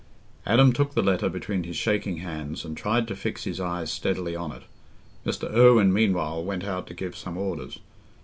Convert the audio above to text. Adam took the letter between his shaking hands and tried to fix his eyes steadily on it. Mr. Irwine meanwhile went out to give some orders.